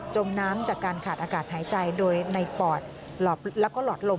มน้ำจากการขาดอากาศหายใจโดยในปอดแล้วก็หลอดลม